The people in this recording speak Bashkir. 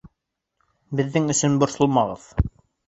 — Беҙҙең өсөн борсолмағыҙ!